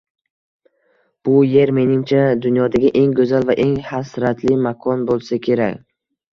Bu yer, meningcha, dunyodagi eng go‘zal va eng hasratli makon bo ‘Isa kerak.